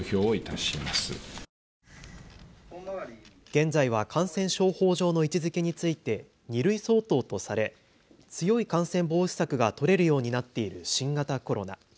現在は感染症法上の位置づけについて２類相当とされ強い感染防止策が取れるようになっている新型コロナ。